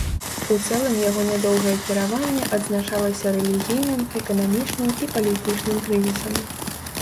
У цэлым яго нядоўгае кіраванне адзначалася рэлігійным, эканамічным і палітычным крызісам.